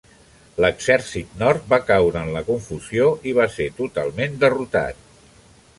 L'exèrcit nord va caure en la confusió i va ser totalment derrotat.